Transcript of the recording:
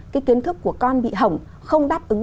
cái kiến thức của con bị hỏng không đáp ứng